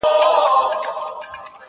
• ځيني يې سخت واقعيت ګڼي ډېر,